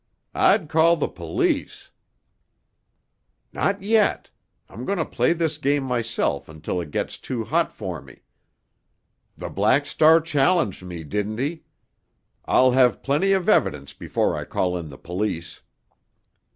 "I'd call the police——" "Not yet! I'm going to play this game myself until it gets too hot for me. The Black Star challenged me, didn't he? I'll have plenty of evidence before I call in the police."